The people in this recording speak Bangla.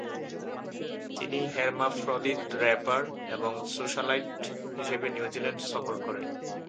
তিনি হেরমাফ্রদীত র্যাপার এবং সোশ্যালাইট হিসেবে নিউজিল্যান্ড সফর করেন।